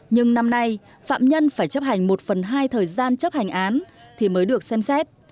nhưng năm nay phạm nhân phải chấp hành một phần hai thời gian chấp hành án thì mới được xem xét